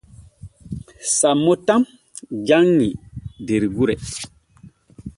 Sammo tan janŋi der gure.